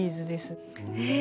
へえ。